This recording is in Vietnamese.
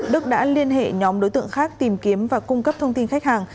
đức đã liên hệ nhóm đối tượng khác tìm kiếm và cung cấp thông tin khách hàng